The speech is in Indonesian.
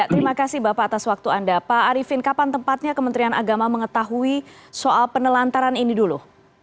terima kasih bapak atas waktu anda pak arifin kapan tempatnya kementerian agama mengetahui soal penelantaran ini dulu